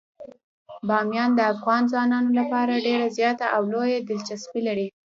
بامیان د افغان ځوانانو لپاره ډیره زیاته او لویه دلچسپي لري.